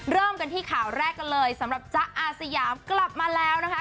เริ่มกันที่ข่าวแรกกันเลยสำหรับจ๊ะอาสยามกลับมาแล้วนะคะ